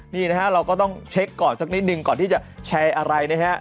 นี่นะฮะเราก็ต้องเช็คก่อนสักนิดนึงก่อนที่จะแชร์อะไรนะฮะ